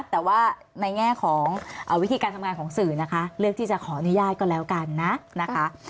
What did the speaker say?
แต่ว่าในแง่ของวิธีการทำงานของสื่อนะคะเลือกที่จะขออนุญาตก็แล้วกันนะนะคะ